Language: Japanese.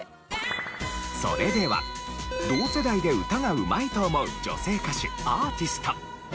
それでは同世代で歌がうまいと思う女性歌手アーティスト。